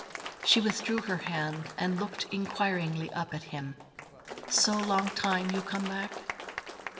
She withdrew her hand and looked inquiringly up at him. "Some long time you come back?"